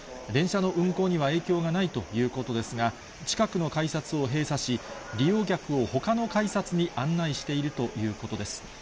電車の運行には影響がないということですが、近くの改札を閉鎖し、利用客をほかの改札に案内しているということです。